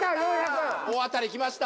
大当たり来ました。